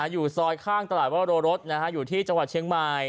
อยู่ซอยข้างตลาดวโรรสอยู่ที่จังหวัดเชียงใหม่